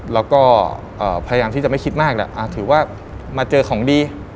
แล้วก็พยายามที่จะไม่คิดมากแหละถือว่ามาเจอของดี